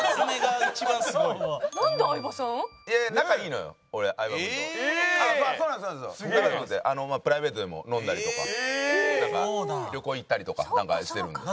仲良くてプライベートでも飲んだりとか旅行行ったりとかなんかしてるんで。